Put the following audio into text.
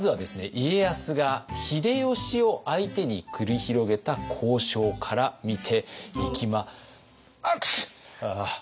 家康が秀吉を相手に繰り広げた交渉から見ていきまはくしゅん！